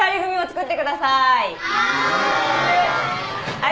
はい。